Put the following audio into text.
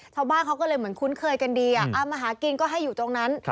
ชาวบ้านเขาก็เลยเหมือนคุ้นเคยกันดีเอามาหากินก็ให้อยู่ตรงนั้น